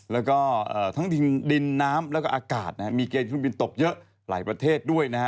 แล้วก็ทั้งดินน้ำแล้วก็อากาศนะฮะมีเกณฑ์เครื่องบินตกเยอะหลายประเทศด้วยนะฮะ